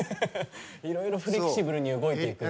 いろいろフレキシブルに動いてる。